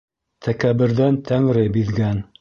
Тәкәбберҙән Тәңре биҙгән.